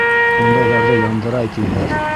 Ундайҙарҙы яндырай тиҙәр.